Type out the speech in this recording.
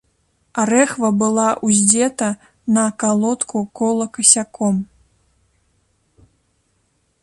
А рэхва была ўздзета на калодку кола касяком.